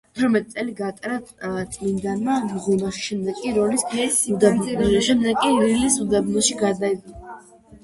თორმეტი წელი გაატარა წმიდანმა მღვიმეში, შემდეგ კი რილის უდაბნოში გადაინაცვლა და ხის ფუღუროში დამკვიდრდა.